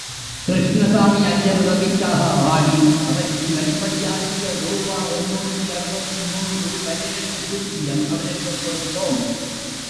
கிருஷ்ணசாமி ஐயர் உதவிக்காக ஆடி, அவற்றின் வரும்படியாகிய ரூபா எண்ணூற்று அறுபத்து மூன்று பனிரண்டு பூஜ்ஜியம் அவருக்குக் கொடுத்தோம்.